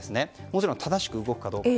もちろん正しく動くかどうか。